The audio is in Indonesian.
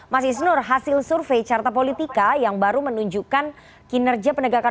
mas isnur hasil survei carta politika yang baru menunjukkan kinerja penegakan